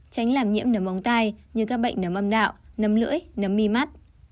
tránh làm nhiễm nấm ống tay như các bệnh nấm âm đạo nấm lưỡi nấm mi mắt